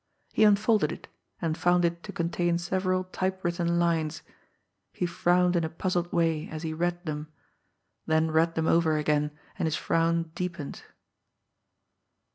He unfolded it, and found it to contain several typewritten lines. He frowned in a puzzled way as he read them; then read them over again, and his frown deepened.